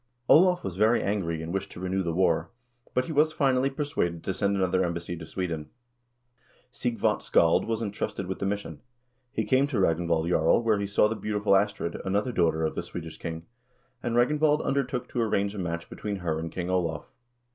Olav was very angry and wished to renew the war, but he was, finally, persuaded to send another embassy to Sweden. Sighvat Scald was intrusted with the mission. He came to Ragnvald Jarl, where he saw the beautiful Astrid, another daughter of the Swedish king, and Ragnvald undertook to arrange a match between her and King Olav.